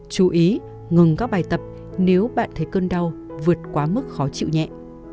chú ý ngừng các bài tập nếu bạn thấy cơn đau vượt quá mức khó chịu nhẹ